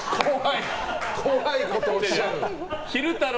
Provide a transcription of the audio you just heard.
怖いことをおっしゃる。